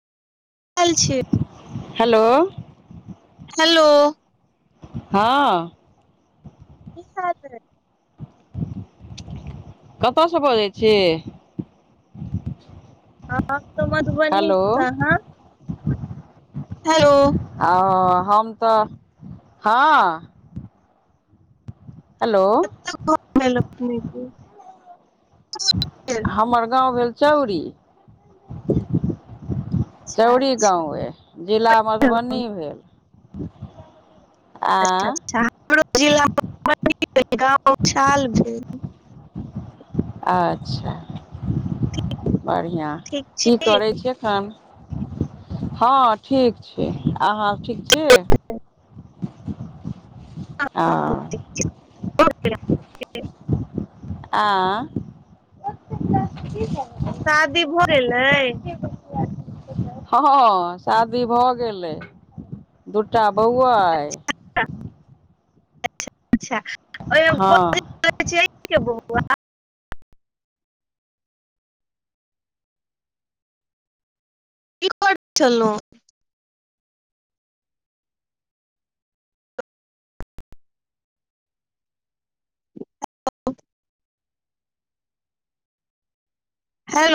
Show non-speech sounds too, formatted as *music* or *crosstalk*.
आयल छीयै। Hello. Hello. हँऽ। कि करबै। कतय से बजै छी। हम तऽ मधुबनी हेलो सँ आहाँ? हेलो आ हम तऽ हँ। हेलो *unintelligible* अपने अच्छा हमर गाँव भेल चउरी। चौरी अच्छा गाँव अइ जिला चलू मधुबनी भेल। अच्छा आ -अच्छा हमरो जिला मधुबनी गाँव उछाल भेल। अच्छा बढ़िआँ ठीक छी की करै छियै? हँ, हँ ठीक छी आहाँ ठीक छी? हँ। *unintelligible* आँ *unintelligible* शादी भऽ गेल अइ? हँ शादी भऽ गेलै। दुटा बौआ अइ। *unintelligible* अच्छा ओय मे हँ बजात *unintelligible* अहीं के बौआ? की करै छेलौ? हेलो